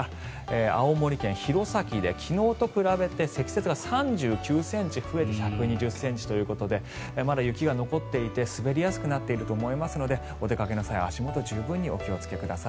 青森県弘前で昨日と比べて積雪が３９ｃｍ増えて１２０ｃｍということでまだ雪が残っていて滑りやすくなっていると思いますのでお出かけの際は足元、十分ご注意ください。